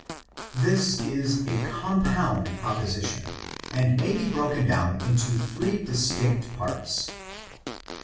I • This is a compound proposition^ and may be broken down into three distinct parts.